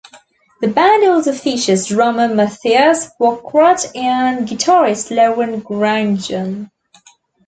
The band also features drummer Mathias Wakrat and guitarist Laurent Grangeon.